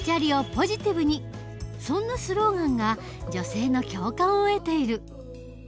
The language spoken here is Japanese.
そんなスローガンが女性の共感を得ている。